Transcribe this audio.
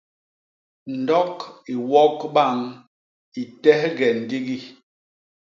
Ndok i wok bañ i tehge ndigi.